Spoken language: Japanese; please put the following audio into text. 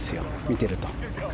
見てると。